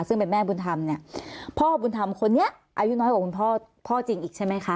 ซึ่งเป็นแม่บุญธรรมเนี่ยพ่อบุญธรรมคนนี้อายุน้อยกว่าคุณพ่อพ่อจริงอีกใช่ไหมคะ